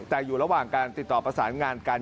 แต่อยู่ระหว่างการติดต่อประสานงานกัน